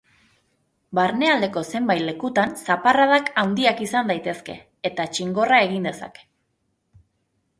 Barnealdeko zenbait lekutan zaparradak handiak izan daitezke, eta txingorra egin dezake.